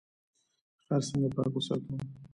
ښار څنګه پاک وساتو؟